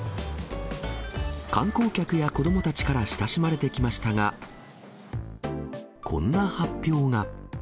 観光客や子どもたちから親しまれてきましたが、こんな発表が。